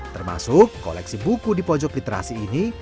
termasuk koleksi buku di pojok literasi ini